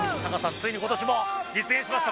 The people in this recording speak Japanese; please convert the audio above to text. ついに今年も実現しました